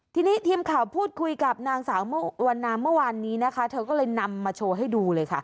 ทีนี้ทีมข่าวพูดคุยกับนางสาววันนาเมื่อวานนี้นะคะเธอก็เลยนำมาโชว์ให้ดูเลยค่ะ